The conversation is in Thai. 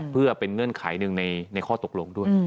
เพื่อเป็นเงื่อนไขหนึ่งในข้อตกลงด้วย